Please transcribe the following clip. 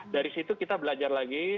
dari situ kita belajar lagi